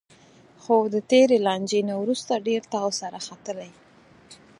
خو د تېرې لانجې نه وروسته ډېر تاو سرته ختلی